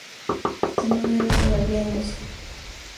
Este número es todavía en uso.